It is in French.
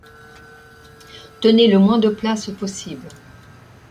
Tenez le moins de place possible.